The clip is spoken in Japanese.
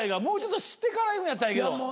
もうちょっと知ってからいくんやったらええけど。